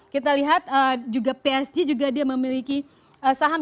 kita lihat juga psg juga dia memiliki saham